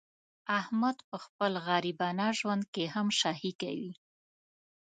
احمد په خپل غریبانه ژوند کې هم شاهي کوي.